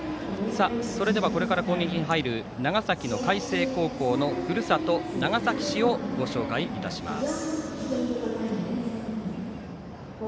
それでは、これから攻撃に入る長崎の海星高校のふるさと長崎市をご紹介します。